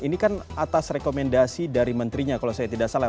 ini kan atas rekomendasi dari menterinya kalau saya tidak salah